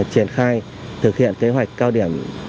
triển khai thực hiện kế hoạch cao điểm